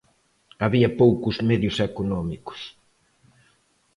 Había poucos medios económicos.